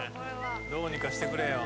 どうにかしてくれよ。